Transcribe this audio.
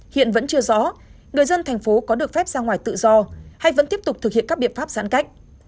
hiện vẫn chưa rõ người dân thành phố có được phép ra ngoài tự do hay vẫn tiếp tục thực hiện các biện pháp giãn cách